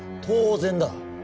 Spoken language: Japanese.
当然だ！